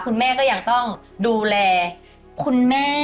คุณแม่ก็ยังต้องดูแลคุณแม่